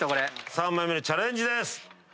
３枚目にチャレンジです。